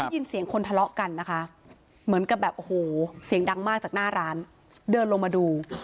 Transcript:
ยินเสียงคนทะเลาะกันนะคะเหมือนกับแบบโอ้โหเสียงดังมากจากหน้าร้านเดินลงมาดู